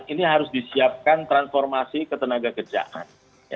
ini harus disiapkan transformasi ke tenaga kerjaan